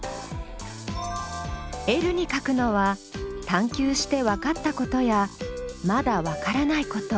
Ｌに書くのは探究してわかったことやまだわからないこと。